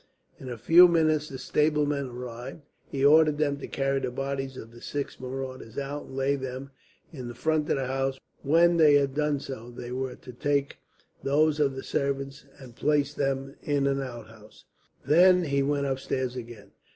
In a few minutes the stablemen arrived. He ordered them to carry the bodies of the six marauders out, and lay them in front of the house. When they had done so, they were to take those of the servants and place them in an outhouse. Then he went upstairs again.